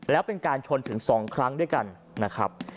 แล้วเป็นการชนถึง๒ครั้งด้วยกันนะครับ